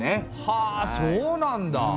はあそうなんだ！